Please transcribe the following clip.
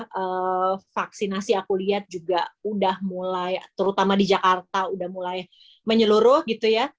jadi setelah vaksinasi aku lihat juga udah mulai terutama di jakarta udah mulai menyeluruh gitu ya